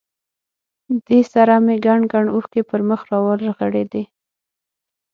دې سره مې کنډ کنډ اوښکې پر مخ را ورغړېدې.